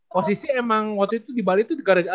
posisi emang waktu itu di bali itu tinggal di sana